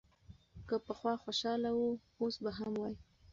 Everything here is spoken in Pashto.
که پخوا خوشاله و، اوس به هم وي.